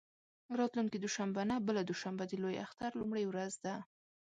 راتلونکې دوشنبه نه، بله دوشنبه د لوی اختر لومړۍ ورځ ده.